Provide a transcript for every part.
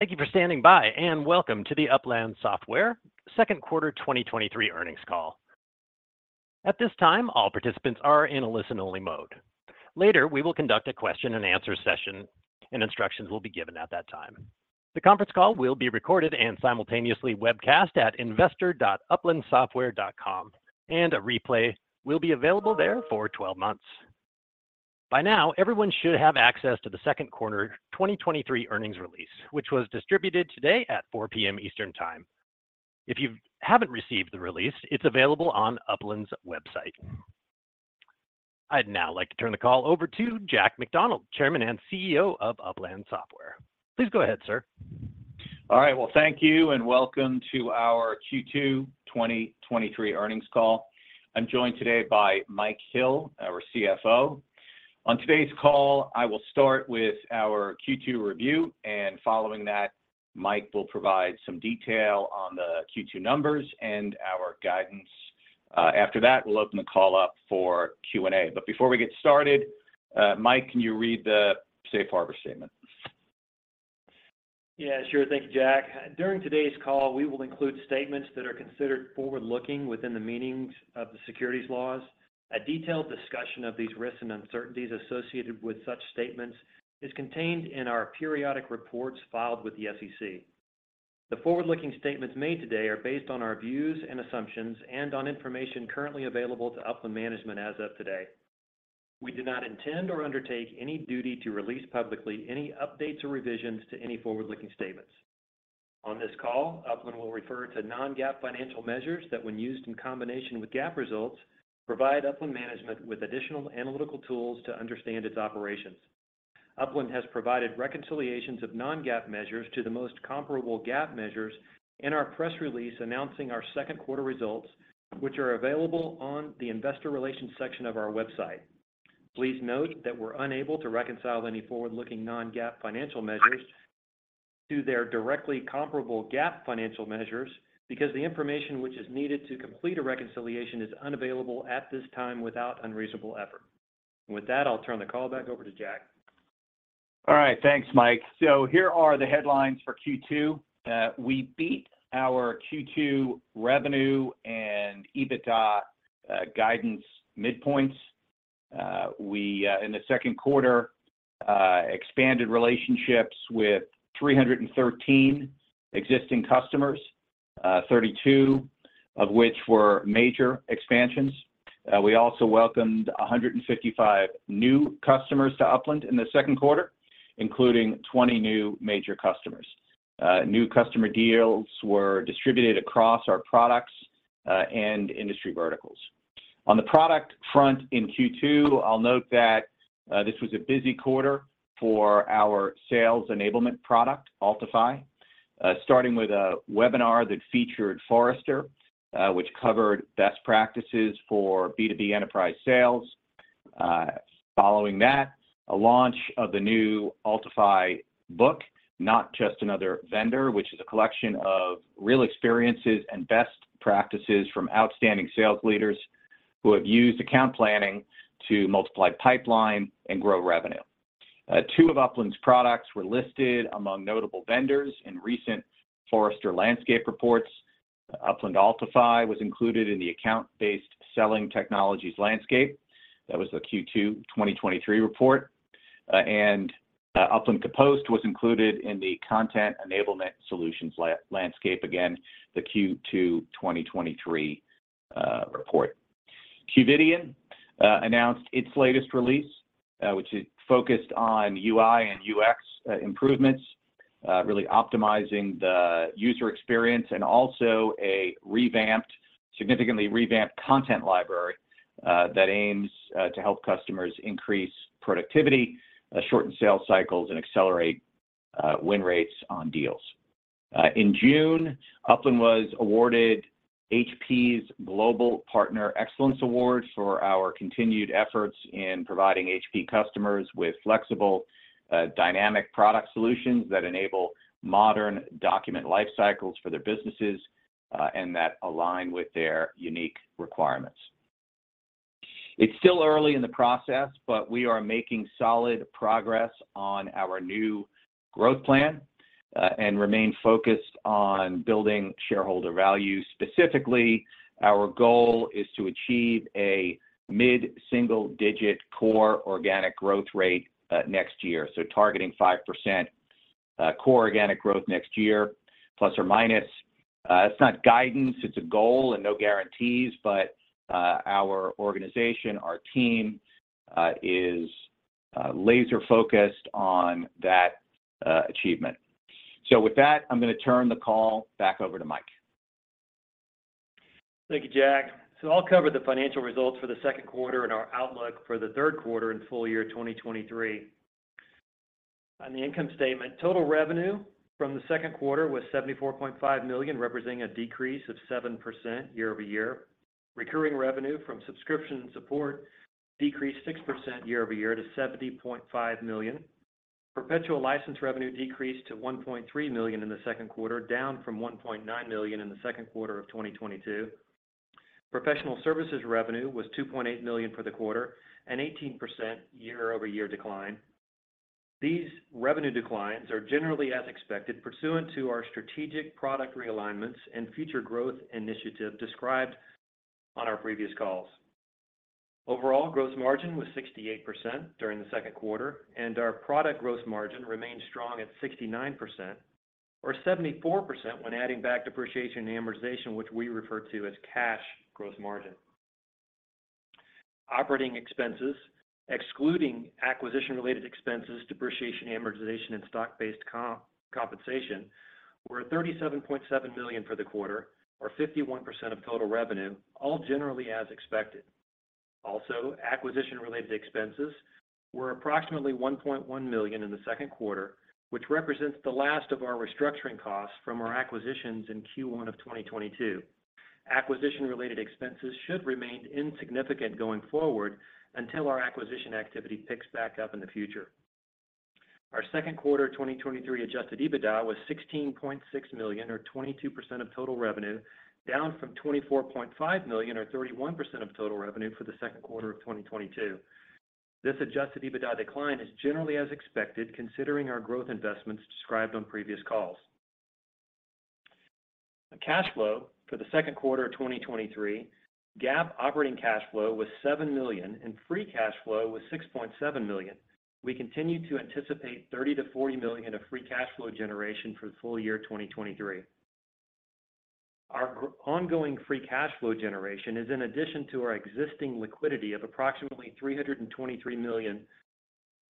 Thank you for standing by. Welcome to the Upland Software second quarter 2023 earnings call. At this time, all participants are in a listen-only mode. Later, we will conduct a question and answer session. Instructions will be given at that time. The conference call will be recorded. Simultaneously webcast at investor.uplandsoftware.com, a replay will be available there for 12 months. By now, everyone should have access to the second quarter 2023 earnings release, which was distributed today at 4:00 P.M. Eastern Time. If you haven't received the release, it's available on Upland's website. I'd now like to turn the call over to Jack McDonald, Chairman and CEO of Upland Software. Please go ahead, sir. All right, well, thank you, and welcome to our Q2 2023 earnings call. I'm joined today by Mike Hill, our CFO. On today's call, I will start with our Q2 review, and following that, Mike will provide some detail on the Q2 numbers and our guidance. After that, we'll open the call up for Q&A. Before we get started, Mike, can you read the safe harbor statement? Yeah, sure. Thank you, Jack. During today's call, we will include statements that are considered forward-looking within the meanings of the securities laws. A detailed discussion of these risks and uncertainties associated with such statements is contained in our periodic reports filed with the SEC. The forward-looking statements made today are based on our views and assumptions and on information currently available to Upland management as of today. We do not intend or undertake any duty to release publicly any updates or revisions to any forward-looking statements. On this call, Upland will refer to non-GAAP financial measures that, when used in combination with GAAP results, provide Upland management with additional analytical tools to understand its operations. Upland has provided reconciliations of non-GAAP measures to the most comparable GAAP measures in our press release announcing our second quarter results, which are available on the investor relations section of our website. Please note that we're unable to reconcile any forward-looking non-GAAP financial measures to their directly comparable GAAP financial measures, because the information which is needed to complete a reconciliation is unavailable at this time without unreasonable effort. With that, I'll turn the call back over to Jack. All right. Thanks, Mike. Here are the headlines for Q2. We beat our Q2 revenue and EBITDA guidance midpoints. We in the second quarter expanded relationships with 313 existing customers, 32 of which were major expansions. We also welcomed 155 new customers to Upland in the second quarter, including 20 new major customers. New customer deals were distributed across our products and industry verticals. On the product front in Q2, I'll note that this was a busy quarter for our sales enablement product, Altify, starting with a webinar that featured Forrester, which covered best practices for B2B enterprise sales. Following that, a launch of the new Altify book, Not Just Another Vendor, which is a collection of real experiences and best practices from outstanding sales leaders who have used account planning to multiply pipeline and grow revenue. Two of Upland's products were listed among notable vendors in recent Forrester Landscape reports. Upland Altify was included in the Account-Based Selling Technologies landscape. That was the Q2 2023 report. Upland Kapost was included in the Content Engagement Solutions landscape. Again, the Q2 2023 report. Qvidian announced its latest release, which is focused on UI and UX improvements, really optimizing the user experience, and also a significantly revamped content library that aims to help customers increase productivity, shorten sales cycles, and accelerate win rates on deals. In June, Upland was awarded HP's Global Partner Excellence Award for our continued efforts in providing HP customers with flexible, dynamic product solutions that enable modern document life cycles for their businesses, and that align with their unique requirements. It's still early in the process, but we are making solid progress on our new growth plan, and remain focused on building shareholder value. Specifically, our goal is to achieve a mid-single-digit core organic growth rate next year. Targeting 5% core organic growth next year, plus or minus. It's not guidance, it's a goal, and no guarantees, but our organization, our team, is laser-focused on that achievement. With that, I'm gonna turn the call back over to Mike. Thank you, Jack. I'll cover the financial results for the second quarter and our outlook for the third quarter and full year 2023. On the income statement, total revenue from the second quarter was $74.5 million, representing a decrease of 7% year-over-year. Recurring revenue from subscription and support decreased 6% year-over-year to $70.5 million. Perpetual license revenue decreased to $1.3 million in the second quarter, down from $1.9 million in the second quarter of 2022. Professional services revenue was $2.8 million for the quarter, an 18% year-over-year decline. These revenue declines are generally as expected, pursuant to our strategic product realignments and future growth initiative described on our previous calls. Overall, gross margin was 68% during the second quarter, and our product gross margin remained strong at 69%, or 74% when adding back depreciation and amortization, which we refer to as cash gross margin. Operating expenses, excluding acquisition-related expenses, depreciation, amortization, and stock-based compensation, were $37.7 million for the quarter, or 51% of total revenue, all generally as expected. Acquisition-related expenses were approximately $1.1 million in the second quarter, which represents the last of our restructuring costs from our acquisitions in Q1 of 2022. Acquisition-related expenses should remain insignificant going forward until our acquisition activity picks back up in the future. Our second quarter 2023 adjusted EBITDA was $16.6 million, or 22% of total revenue, down from $24.5 million, or 31% of total revenue for the second quarter of 2022. This adjusted EBITDA decline is generally as expected, considering our growth investments described on previous calls. The cash flow for the second quarter of 2023, GAAP operating cash flow was $7 million, and free cash flow was $6.7 million. We continue to anticipate $30 million-$40 million of free cash flow generation for the full year 2023. Our ongoing free cash flow generation is in addition to our existing liquidity of approximately $323 million,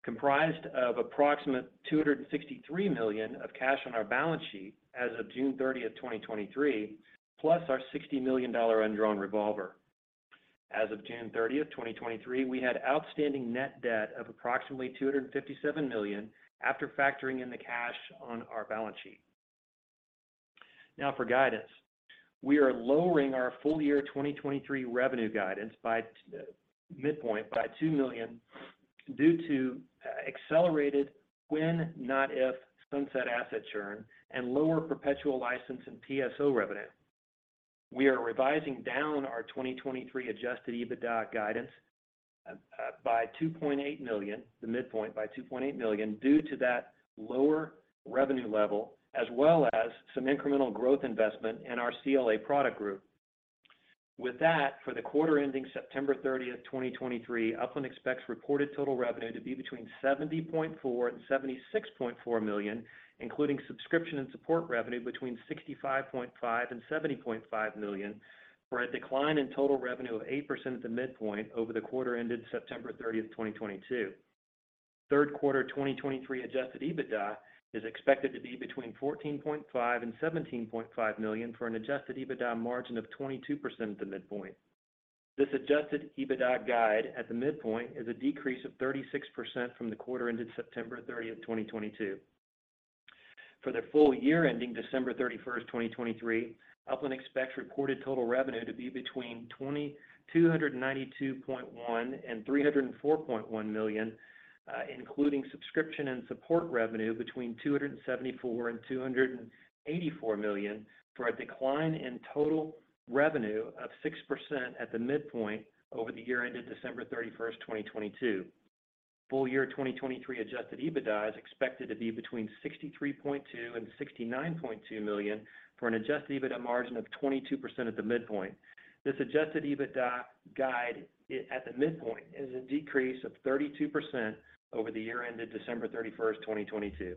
comprised of approximate $263 million of cash on our balance sheet as of June 30th, 2023, plus our $60 million undrawn revolver. As of June 30th, 2023, we had outstanding net debt of approximately $257 million after factoring in the cash on our balance sheet. Now, for guidance. We are lowering our full year 2023 revenue guidance by midpoint by $2 million, due to accelerated when, not if, sunset asset churn and lower perpetual license and TSO revenue. We are revising down our 2023 adjusted EBITDA guidance by $2.8 million, the midpoint by $2.8 million, due to that lower revenue level, as well as some incremental growth investment in our CLA product group. For the quarter ending September 30th, 2023, Upland expects reported total revenue to be between $70.4 million and $76.4 million, including subscription and support revenue between $65.5 million and $70.5 million, for a decline in total revenue of 8% at the midpoint over the quarter ended September 30th, 2022. Third quarter 2023 adjusted EBITDA is expected to be between $14.5 million and $17.5 million, for an adjusted EBITDA margin of 22% at the midpoint. This adjusted EBITDA guide at the midpoint is a decrease of 36% from the quarter ended September 30, 2022. For the full year ending December 31, 2023, Upland expects reported total revenue to be between $292.1 million and $304.1 million, including subscription and support revenue between $274 million and $284 million, for a decline in total revenue of 6% at the midpoint over the year ended December 31st, 2022. Full year 2023 adjusted EBITDA is expected to be between $63.2 million and $69.2 million, for an adjusted EBITDA margin of 22% at the midpoint. This adjusted EBITDA guide at the midpoint, is a decrease of 32% over the year ended December 31st, 2022.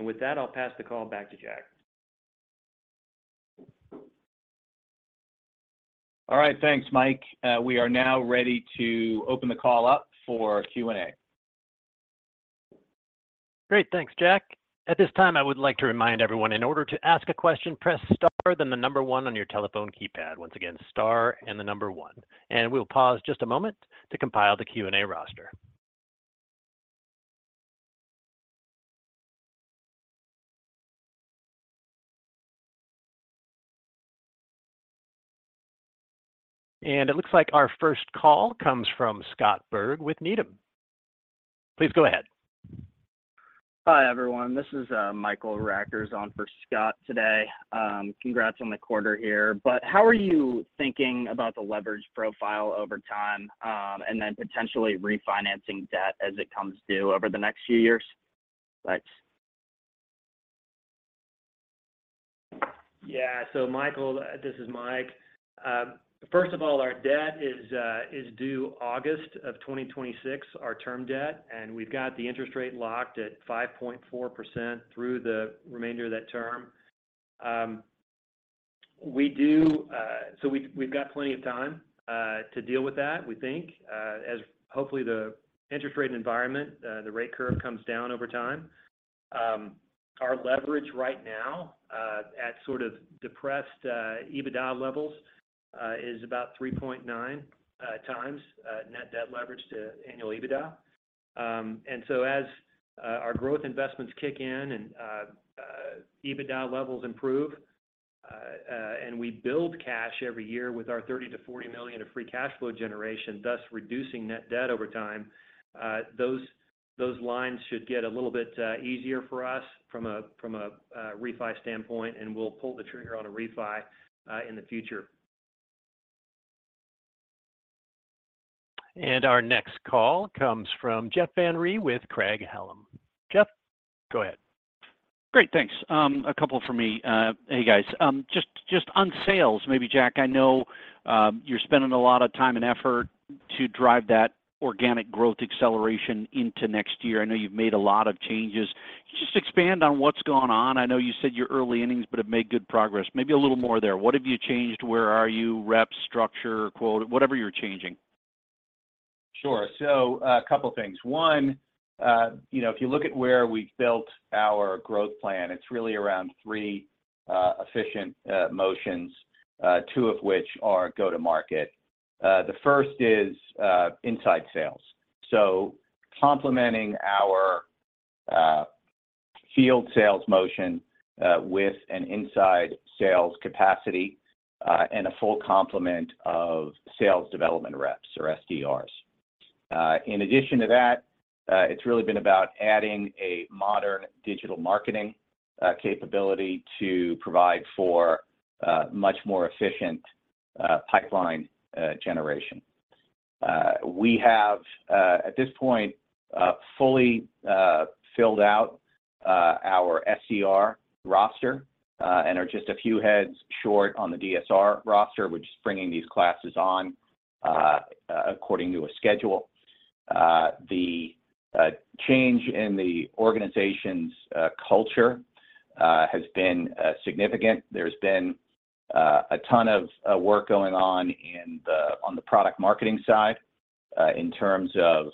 With that, I'll pass the call back to Jack. All right. Thanks, Mike. We are now ready to open the call up for Q&A. Great. Thanks, Jack. At this time, I would like to remind everyone, in order to ask a question, press star, then one on your telephone keypad. Once again, star and one. We'll pause just a moment to compile the Q&A roster. It looks like our first call comes from Scott Berg with Needham. Please go ahead. Hi, everyone. This is Michael Rackers on for Scott today. Congrats on the quarter here, but how are you thinking about the leverage profile over time, and then potentially refinancing debt as it comes due over the next few years? Thanks. Yeah. Michael, this is Mike. First of all, our debt is due August of 2026, our term debt, and we've got the interest rate locked at 5.4% through the remainder of that term. We do... We've got plenty of time to deal with that, we think, as hopefully the interest rate environment, the rate curve comes down over time. Our leverage right now, at sort of depressed EBITDA levels, is about 3.9 times net debt leverage to annual EBITDA. As our growth investments kick in and EBITDA levels improve, and we build cash every year with our $30 million-$40 million of free cash flow generation, thus reducing net debt over time, those, those lines should get a little bit easier for us from a, from a, refi standpoint, and we'll pull the trigger on a refi in the future. Our next call comes from Jeff Van Rhee with Craig-Hallum. Jeff, go ahead. Great, thanks. A couple from me. Hey, guys, just, just on sales, maybe Jack, I know, you're spending a lot of time and effort to drive that organic growth acceleration into next year. I know you've made a lot of changes. Can you just expand on what's going on? I know you said you're early innings, but have made good progress. Maybe a little more there. What have you changed? Where are you? Rep structure, quote, whatever you're changing? Sure. A couple things. One, you know, if you look at where we've built our growth plan, it's really around three efficient motions, two of which are go-to-market. The first is inside sales. Complementing our field sales motion with an inside sales capacity and a full complement of sales development reps or SDRs. In addition to that, it's really been about adding a modern digital marketing capability to provide for much more efficient pipeline generation. We have, at this point, fully filled out our SDR roster and are just a few heads short on the SDR roster. We're just bringing these classes on according to a schedule. The change in the organization's culture has been significant. There's been a ton of work going on on the product marketing side, in terms of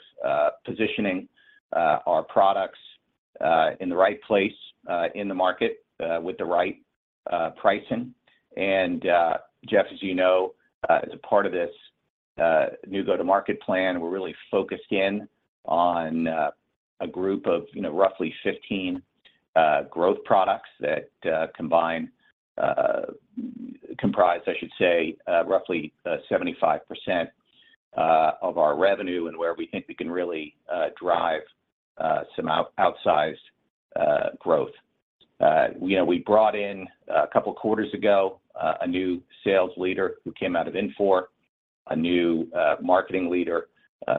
positioning our products in the right place in the market, with the right pricing. Jeff, as you know, as a part of this new go-to-market plan, we're really focused in on a group of, you know, roughly 15 growth products that combine, comprise, I should say, roughly 75% of our revenue, and where we think we can really drive some outsized growth. You know, we brought in, a couple quarters ago, a new sales leader who came out of Infor, a new marketing leader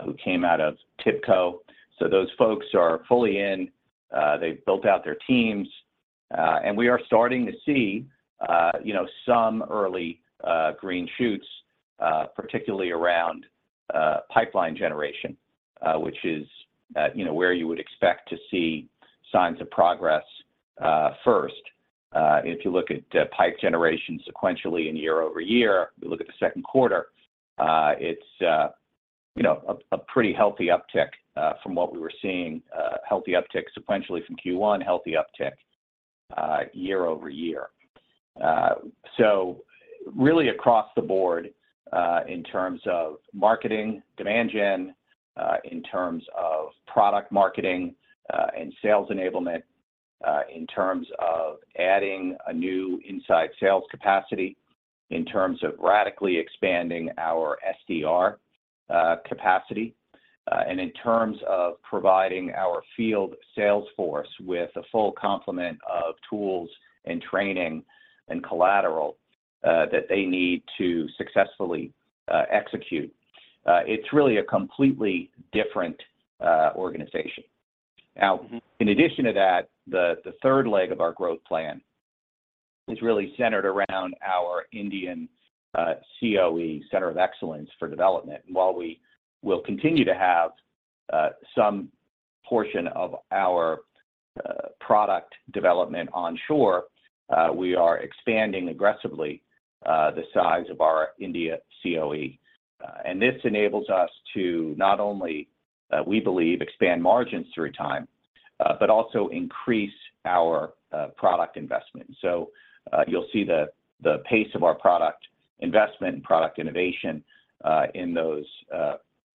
who came out of TIBCO. Those folks are fully in, they've built out their teams, and we are starting to see, you know, some early green shoots, particularly around pipeline generation, which is, you know, where you would expect to see signs of progress, first. If you look at pipe generation sequentially and year-over-year, if you look at the second quarter, it's, you know, a pretty healthy uptick from what we were seeing, healthy uptick sequentially from Q1, healthy uptick year-over-year. Really across the board, in terms of marketing, demand gen, in terms of product marketing, and sales enablement, in terms of adding a new inside sales capacity, in terms of radically expanding our SDR capacity, and in terms of providing our field sales force with a full complement of tools and training and collateral, that they need to successfully execute, it's really a completely different organization. In addition to that, the third leg of our growth plan is really centered around our Indian COE, Center of Excellence for development. While we will continue to have some portion of our product development onshore, we are expanding aggressively the size of our India COE. This enables us to not only, we believe, expand margins through time, but also increase our product investment. You'll see the pace of our product investment and product innovation, in those,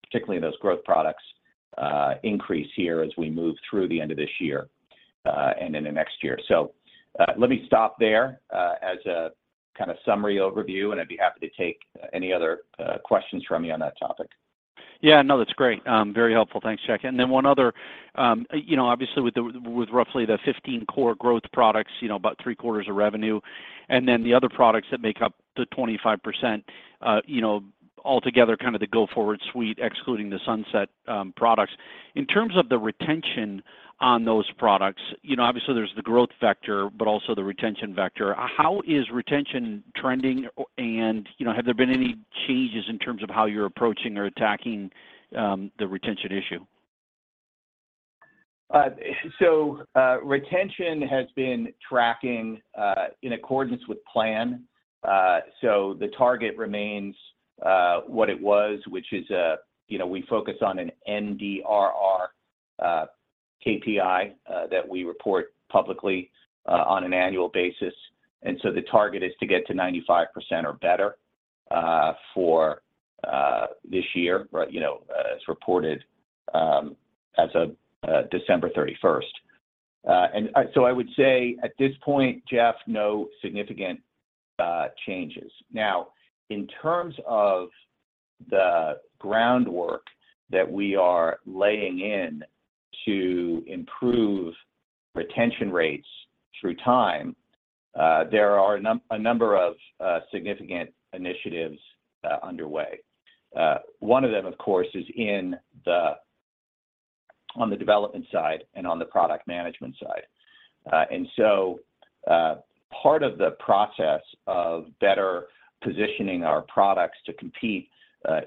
particularly those growth products, increase here as we move through the end of this year and into next year. Let me stop there, as a kind of summary overview, and I'd be happy to take any other questions from you on that topic. Yeah, no, that's great. Very helpful. Thanks, Jack. Then one other, you know, obviously, with roughly the 15 core growth products, you know, about 3/4 of revenue, and then the other products that make up the 25%, you know, altogether kind of the go-forward suite, excluding the sunset, products. In terms of the retention on those products, you know, obviously, there's the growth vector, but also the retention vector. How is retention trending? You know, have there been any changes in terms of how you're approaching or attacking, the retention issue? Retention has been tracking in accordance with plan. The target remains what it was, which is, you know, we focus on an NDRR KPI that we report publicly on an annual basis. The target is to get to 95% or better for this year, right, you know, as reported as of December 31st. I would say at this point, Jeff, no significant changes. Now, in terms of the groundwork that we are laying in to improve retention rates through time, there are a number of significant initiatives underway. One of them, of course, is in the, on the development side and on the product management side. So, part of the process of better positioning our products to compete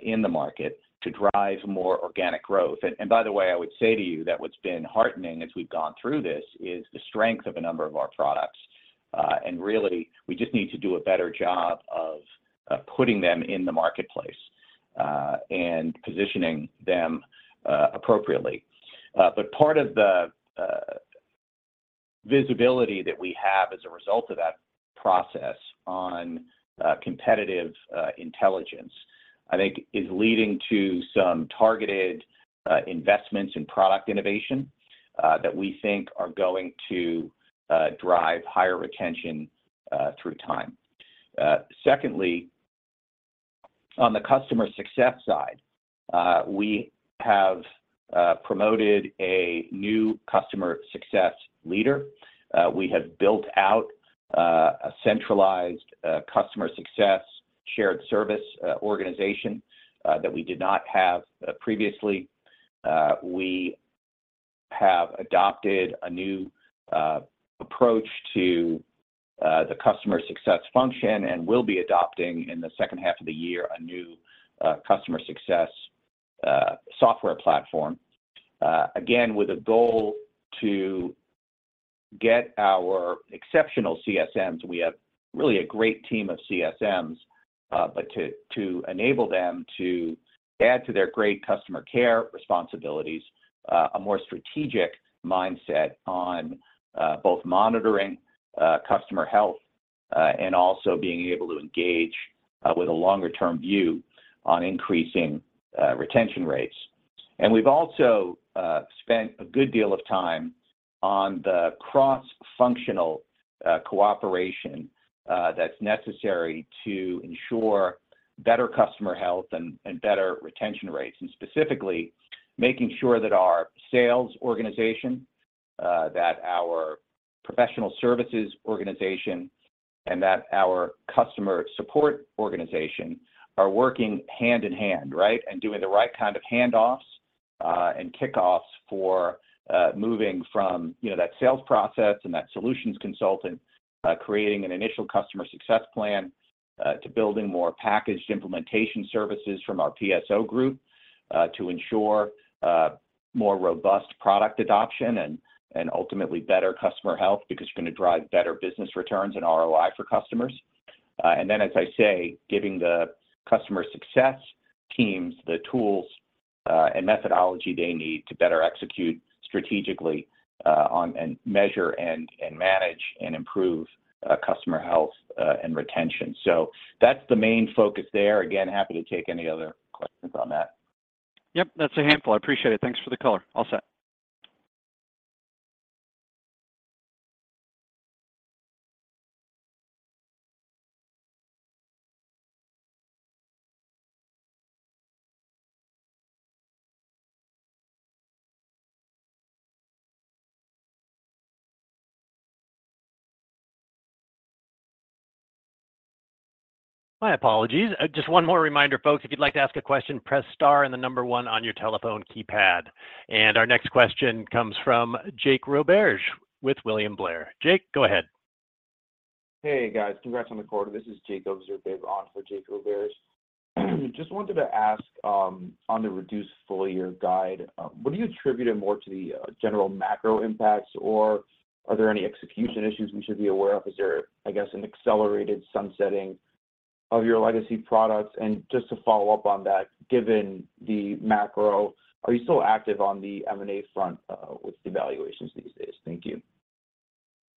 in the market to drive more organic growth. By the way, I would say to you that what's been heartening as we've gone through this, is the strength of a number of our products. Really, we just need to do a better job of putting them in the marketplace and positioning them appropriately. Part of the visibility that we have as a result of that process on competitive intelligence, I think is leading to some targeted investments in product innovation that we think are going to drive higher retention through time. Secondly, on the customer success side, we have promoted a new customer success leader. We have built out a centralized customer success shared service organization that we did not have previously. We have adopted a new approach to the customer success function, and will be adopting, in the second half of the year, a new customer success software platform. Again, with a goal to get our exceptional CSMs, we have really a great team of CSMs, but to enable them to add to their great customer care responsibilities, a more strategic mindset on both monitoring customer health, and also being able to engage with a longer-term view on increasing retention rates. We've also spent a good deal of time on the cross-functional cooperation that's necessary to ensure better customer health and, and better retention rates, and specifically, making sure that our sales organization, that our professional services organization, and that our customer support organization are working hand in hand, right? Doing the right kind of handoffs and kickoffs for moving from, you know, that sales process and that solutions consultant, creating an initial customer success plan, to building more packaged implementation services from our PSO group, to ensure more robust product adoption and, and ultimately better customer health, because you're gonna drive better business returns and ROI for customers. Then, as I say, giving the customer success teams the tools and methodology they need to better execute strategically on and measure and manage and improve customer health and retention. That's the main focus there. Again, happy to take any other questions on that. Yep, that's a handful. I appreciate it. Thanks for the color. All set. My apologies. Just one more reminder, folks, if you'd like to ask a question, press star and the number one on your telephone keypad. Our next question comes from Jake Roberge with William Blair. Jake, go ahead. Hey, guys. Congrats on the quarter. This is Jake [Oberge your favorite author], Jake Roberge. Just wanted to ask, on the reduced full-year guide, would you attribute it more to the general macro impacts, or are there any execution issues we should be aware of? Is there, I guess, an accelerated sunsetting of your legacy products? Just to follow up on that, given the macro, are you still active on the M&A front, with the valuations these days? Thank you.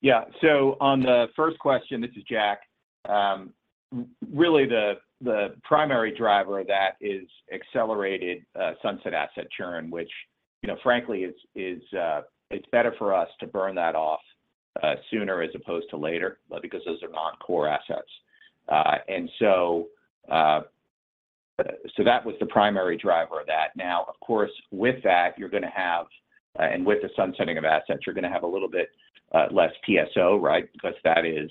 Yeah. On the first question, this is Jack. Really, the primary driver of that is accelerated sunset asset churn, which, you know, frankly, is, it's better for us to burn that off sooner as opposed to later, because those are non-core assets. That was the primary driver of that. Of course, with that, you're gonna have, with the sunsetting of assets, you're gonna have a little bit less TSO, right? Because that is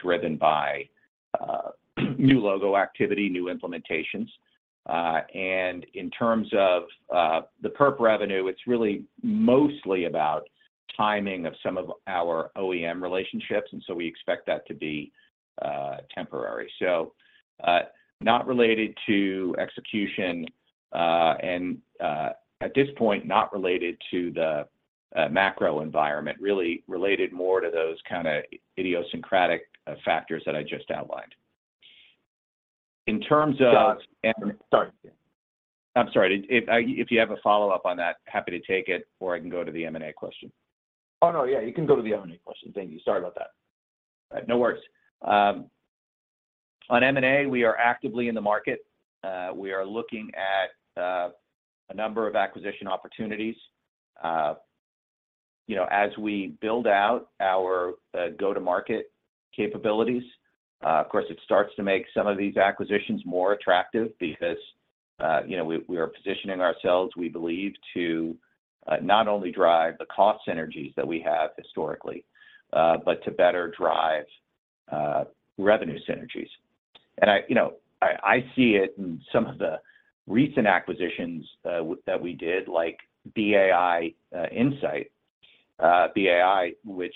driven by new logo activity, new implementations. In terms of the perp revenue, it's really mostly about timing of some of our OEM relationships, we expect that to be temporary. Not related to execution, and at this point, not related to the macro environment, really related more to those kind of idiosyncratic factors that I just outlined. In terms of. Jack, sorry. I'm sorry. If you have a follow-up on that, happy to take it, or I can go to the M&A question. Oh, no, yeah, you can go to the M&A question. Thank you. Sorry about that. No worries. On M&A, we are actively in the market. We are looking at a number of acquisition opportunities. You know, as we build out our go-to-market capabilities, of course, it starts to make some of these acquisitions more attractive because, you know, we, we are positioning ourselves, we believe, to not only drive the cost synergies that we have historically, but to better drive revenue synergies. I, you know, I, I see it in some of the recent acquisitions that we did, like BA Insight. BA, which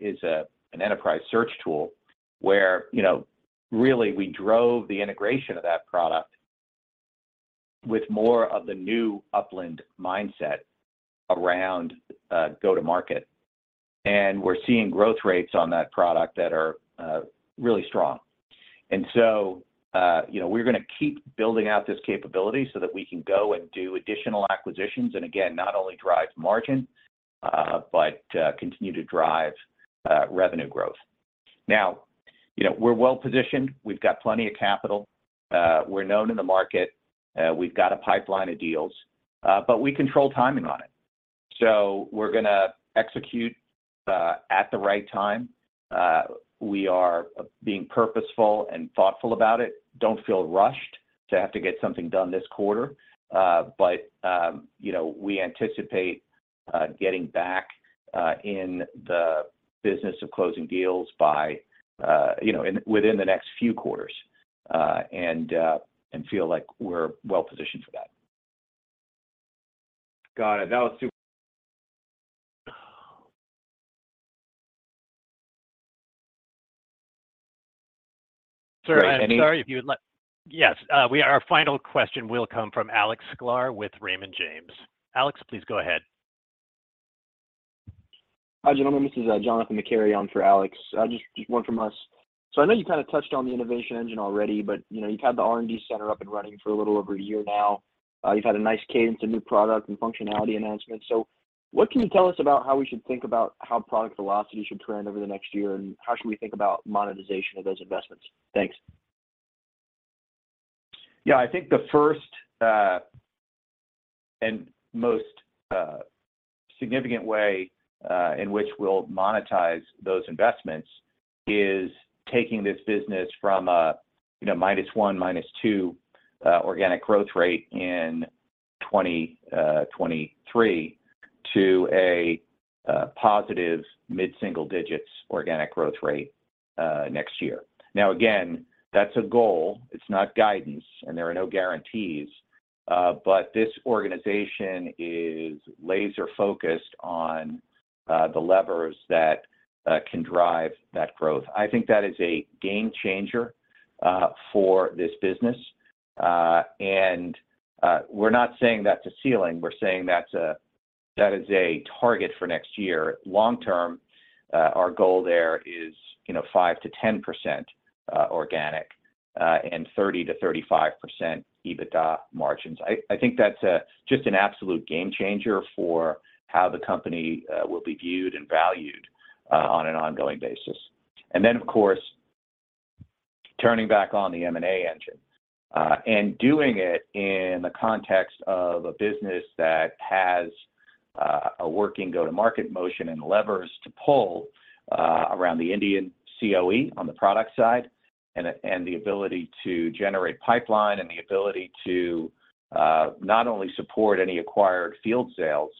is an enterprise search tool, where, you know, really we drove the integration of that product with more of the new Upland mindset around go-to-market. We're seeing growth rates on that product that are really strong. So, you know, we're gonna keep building out this capability so that we can go and do additional acquisitions, and again, not only drive margin, but continue to drive revenue growth. Now, you know, we're well positioned. We've got plenty of capital. We're known in the market. We've got a pipeline of deals, but we control timing on it. We're gonna execute at the right time. We are being purposeful and thoughtful about it. Don't feel rushed to have to get something done this quarter, but, you know, we anticipate getting back in the business of closing deals by, you know, within the next few quarters, and feel like we're well positioned for that. Got it. That was super- Sir, I'm sorry if you would let- Yes, our final question will come from Alex Sklar with Raymond James. Alex, please go ahead. Hi, gentlemen, this is Jonathan Macari on for Alex. Just one from us. I know you kind of touched on the innovation engine already, but, you know, you've had the R&D center up and running for a little over a year now. You've had a nice cadence of new product and functionality announcements. What can you tell us about how we should think about how product velocity should trend over the next year, and how should we think about monetization of those investments? Thanks. Yeah, I think the first, and most significant way, in which we'll monetize those investments is taking this business from a, you know, -1%, -2% organic growth rate in 2023, to a positive mid-single-digit organic growth rate next year. Now, again, that's a goal. It's not guidance, and there are no guarantees, but this organization is laser-focused on the levers that can drive that growth. I think that is a game changer for this business. And we're not saying that's a ceiling, we're saying that is a target for next year. Long term, our goal there is, you know, 5%-10% organic, and 30%-35% EBITDA margins. I, I think that's just an absolute game changer for how the company will be viewed and valued on an ongoing basis. Then, of course, turning back on the M&A engine and doing it in the context of a business that has a working go-to-market motion and levers to pull around the Indian COE on the product side, and, and the ability to generate pipeline, and the ability to not only support any acquired field sales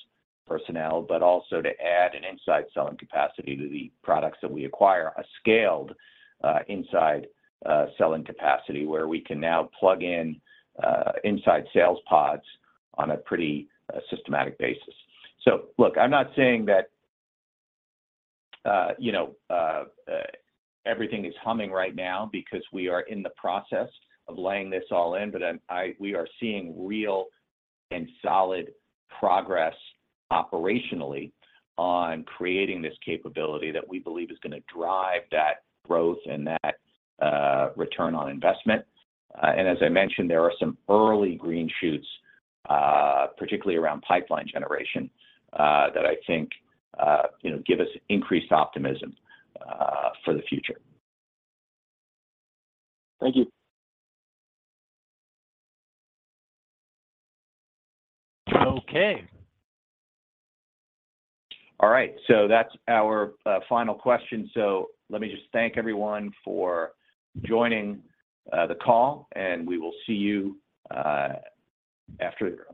personnel, but also to add an inside selling capacity to the products that we acquire. A scaled inside selling capacity, where we can now plug in inside sales pods on a pretty systematic basis. Look, I'm not saying that, you know, everything is humming right now because we are in the process of laying this all in, but we are seeing real and solid progress operationally on creating this capability that we believe is gonna drive that growth and that return on investment. As I mentioned, there are some early green shoots, particularly around pipeline generation, that I think, you know, give us increased optimism for the future. Thank you. Okay. All right, that's our final question. Let me just thank everyone for joining the call, and we will see you after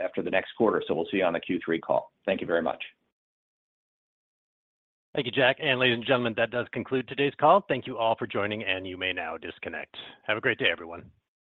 after the next quarter. We'll see you on the Q3 call. Thank you very much. Thank you, Jack. Ladies and gentlemen, that does conclude today's call. Thank you all for joining, and you may now disconnect. Have a great day, everyone.